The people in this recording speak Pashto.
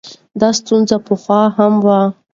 دا ستونزه پخوا هم وه.